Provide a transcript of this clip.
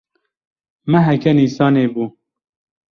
Meheke Nîsanê bû.